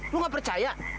lu gak percaya